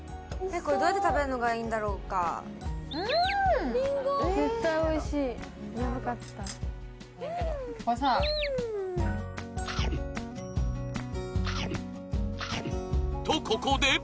これどうやって食べるのがいいんだろうか？とここで！